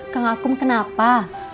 kang akum kenapa